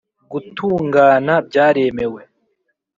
gutungana byaremewe